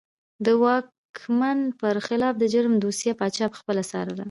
د واکمن پر خلاف د جرم دوسیه پاچا پخپله څارله.